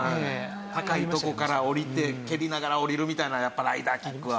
高いとこから下りて蹴りながら下りるみたいなのやっぱライダーキックは。